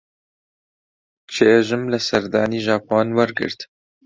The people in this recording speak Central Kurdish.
چێژم لە سەردانی ژاپۆن وەرگرت.